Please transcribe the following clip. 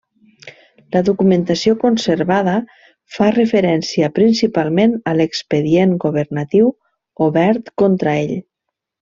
La documentació conservada fa referència principalment a l'expedient governatiu obert contra ell.